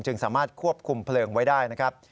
สามารถควบคุมเพลิงไว้ได้นะครับ